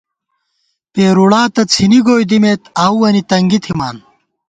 پېرُوڑا تہ څِھنی گوئی دِمېت، آؤوَنی تنگی تھِمان